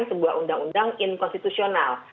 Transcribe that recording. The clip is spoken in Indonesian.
sebuah undang undang inkonstitusional